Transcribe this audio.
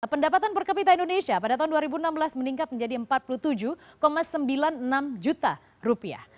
pendapatan per kapita indonesia pada tahun dua ribu enam belas meningkat menjadi empat puluh tujuh sembilan puluh enam juta rupiah